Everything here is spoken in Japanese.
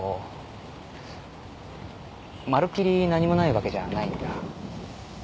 まるっきり何もないわけじゃないんだ。